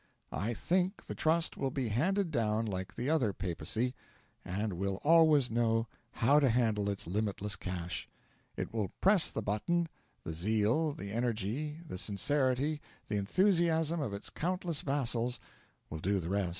I think the Trust will be handed down like the other papacy, and will always know how to handle its limitless cash. It will press the button; the zeal, the energy, the sincerity, the enthusiasm of its countless vassals will do the rest.